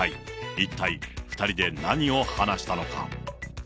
一体２人で何を話したのか。